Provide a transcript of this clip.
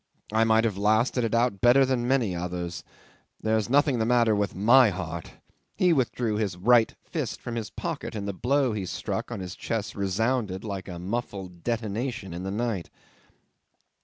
I might have lasted it out better than many others. There's nothing the matter with my heart." He withdrew his right fist from his pocket, and the blow he struck on his chest resounded like a muffled detonation in the night.